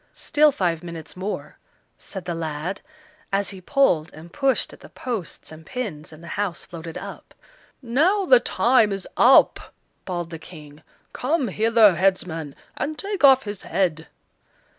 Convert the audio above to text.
"Still five minutes more," said the lad, as he pulled and pushed at the posts and pins, and the house floated up. "Now the time is up," bawled the King; "come hither, headsman, and take off his head."